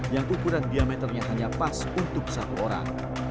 yang ukuran diameternya hanya pas untuk satu orang